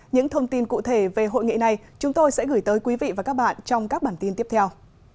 những thông tin cụ thể về hội nghị này chúng tôi sẽ gửi tới quý vị và các bạn trong các bản tin tiếp theo